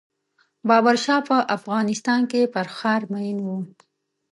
بابر شاه په افغانستان کې پر ښار مین و.